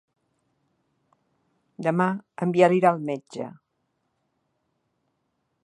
Demà en Biel irà al metge.